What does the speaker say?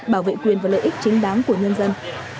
bảo vệ quyền và lợi ích chính đáng của nhân dân